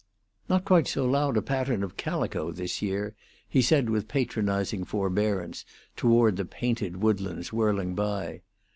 "Not quite so loud a pattern of calico this year," he said, with patronizing forbearance toward the painted woodlands whirling by.